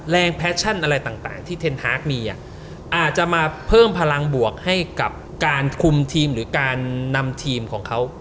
แฟชั่นอะไรต่างที่เทนฮาร์กมีอาจจะมาเพิ่มพลังบวกให้กับการคุมทีมหรือการนำทีมของเขา